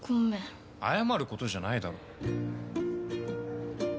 謝ることじゃないだろ。